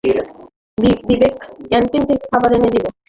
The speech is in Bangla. বিবেক, ক্যান্টিন থেকে খাবার এনে দিবে?